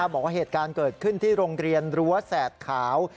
บอกว่าเหตุการณ์เกิดขึ้นที่โรงเรียนรั้วแสดขาว